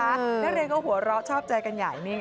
นักเรียนก็หัวเราะชอบใจกันใหญ่นิ่ง